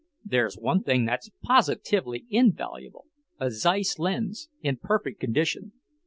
"There's one thing that's positively invaluable; a Zeiss lens, in perfect condition.